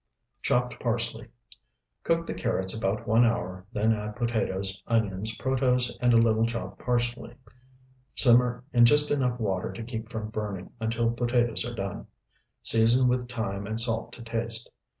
Chopped parsley. Cook the carrots about one hour, then add potatoes, onions, protose, and a little chopped parsley. Simmer in just enough water to keep from burning until potatoes are done. Season with thyme and salt to taste.